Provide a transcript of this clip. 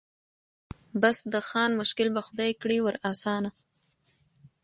بس د خان مشکل به خدای کړي ور آسانه